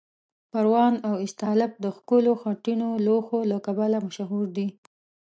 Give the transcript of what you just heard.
پروان او استالف د ښکلو خټینو لوښو له کبله مشهور دي.